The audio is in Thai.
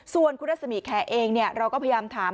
ส่วนคุณรัศมีแคร์เองเราก็พยายามถาม